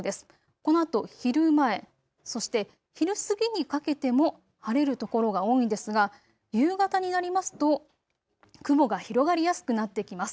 このあと昼前、そして昼過ぎにかけても晴れる所が多いんですが夕方になりますと雲が広がりやすくなってきます。